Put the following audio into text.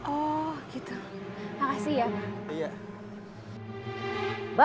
oh gitu makasih ya